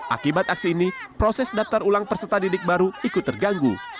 akibat aksi ini proses daftar ulang peserta didik baru ikut terganggu